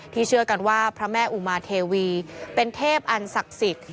เชื่อกันว่าพระแม่อุมาเทวีเป็นเทพอันศักดิ์สิทธิ์